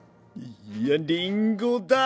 いやりんごだ！